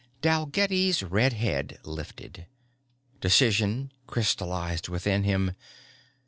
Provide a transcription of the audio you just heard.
_" Dalgetty's red head lifted. Decision crystalized within him.